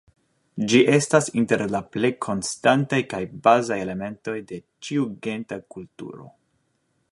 Ĝi estas inter la plej konstantaj kaj bazaj elementoj de ĉiu genta kulturo.